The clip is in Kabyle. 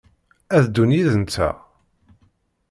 A ddun yid-nteɣ?